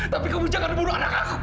tapi kamu jangan bunuh anak aku